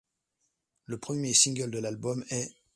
Le premier single de l'album est '.